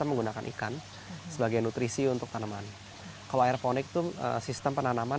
menggunakan ikan sebagai nutrisi untuk tanaman kalau airponik itu sistem penanaman